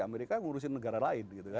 amerika ngurusin negara lain